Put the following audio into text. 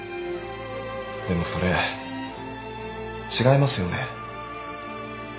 でもそれ違いますよね？